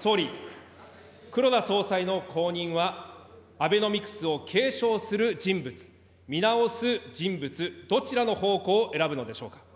総理、黒田総裁の後任は、アベノミクスを継承する人物、見直す人物、どちらの方向を選ぶのでしょうか。